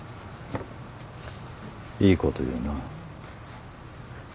いいこと言うな。